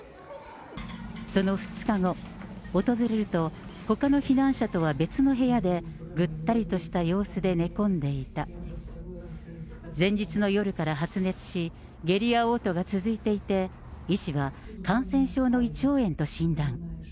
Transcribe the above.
その２日後、訪れると、ほかの避難者とは別の部屋で、ぐったりとした様子で寝込んでいた。前日の夜から発熱し、下痢やおう吐が続いていて、医師が感染症の胃腸炎と診断。